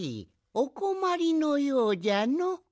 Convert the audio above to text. おこまりのようじゃの。